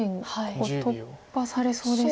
ここ突破されそうですか？